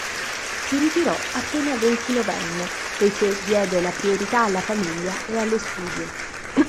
Si ritirò appena ventinovenne, poiché diede la priorità alla famiglia e allo studio.